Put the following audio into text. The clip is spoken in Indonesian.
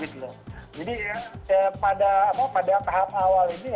jadi pada tahap awal ini